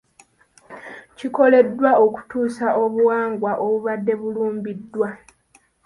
Kikoleddwa okutaasa obuwangwa obubadde bulumbiddwa.